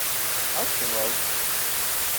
Tḥesbeḍ.